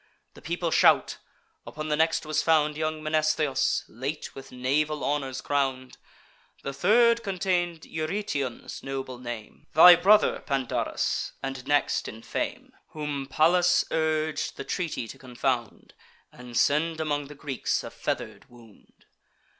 The people shout. Upon the next was found Young Mnestheus, late with naval honours crown'd. The third contain'd Eurytion's noble name, Thy brother, Pandarus, and next in fame, Whom Pallas urg'd the treaty to confound, And send among the Greeks a feather'd wound.